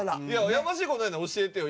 「やましい事ないなら教えてよ」